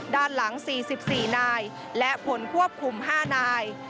ด้านหลัง๔๔นายและผลควบคุม๕นาย